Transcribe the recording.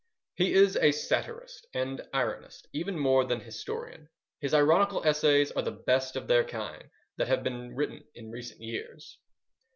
He is satirist and ironist even more than historian. His ironical essays are the best of their kind that have been written in recent years.